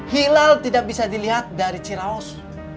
hilal tidak bisa dilihat dari ciraus